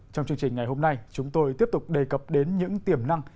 trong chương trình ngày hôm nay chúng tôi tiếp tục đề cập đến những tiềm năng